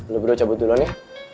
lu berdua cabut dulu nih